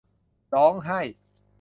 ร้องไห้